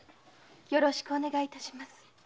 よろしくお願いします。